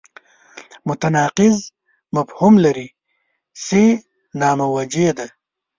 متناقض مفهوم لري چې ناموجه دی.